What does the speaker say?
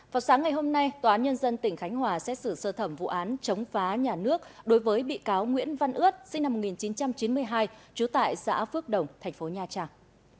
vào sáng ngày hôm nay tòa án nhân dân tỉnh khánh hòa xét xử sơ thẩm vụ án chống phá nhà nước đối với bị cáo nguyễn văn ướt sinh năm một nghìn chín trăm chín mươi hai trú tại xã phước đồng thành phố nha trang